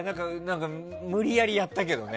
無理やりやったけどね。